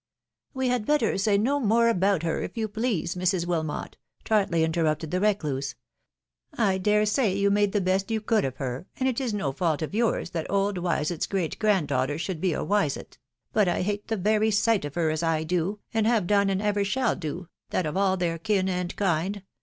.•."" We had better say no more about her, if you please, Mrs. Wilmot," tartly interrupted the recluse. ..." I dare say you made the best you could of her ; and it is no fault of yours that old Wisett's great gr^dd&xv^Yvtet V9bsro&. \*.^ Wiaett; .... but I hate the very sv$vt oi \v«* *&\ fca> «xA> 7^ THE WIDOW BARNABY. nave done, and ever shall do, that of all their kin and kind